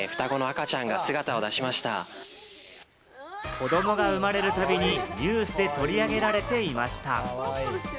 子どもが生まれるたびにニュースで取り上げられていました。